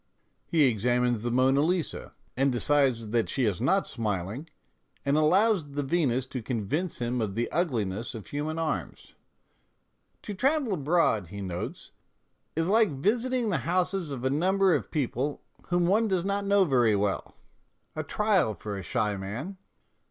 He examines the Monna Lisa, and decides that she is not smiling, and allows the Venus to convince him of the ugliness of human arms. " To travel abroad," he notes, " is like visiting the houses of a number of people whom one does not know very well a trial for a shy man."